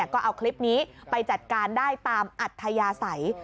ก็เอาคลิปนี้ไปจัดการได้ตามอัธยาศัย